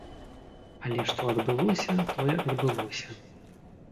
Але што адбылося, тое адбылося.